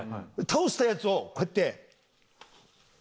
倒したヤツをこうやって。